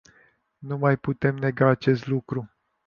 Nu mai putem nega acest lucru.